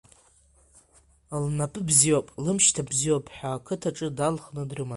Лнапы бзиоуп, лымшьҭа бзиоуп ҳәа ақыҭаҿы далхны дрыман.